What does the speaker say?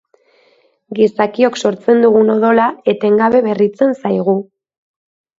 Gizakiok sortzen dugun odola etengabe berritzen zaigu.